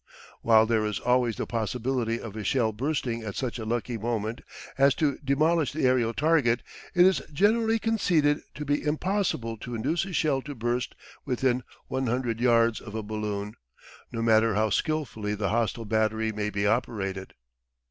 While there is always the possibility of a shell bursting at such a lucky moment as to demolish the aerial target, it is generally conceded to be impossible to induce a shell to burst within 100 yards of a balloon, no matter how skilfully the hostile battery may be operated.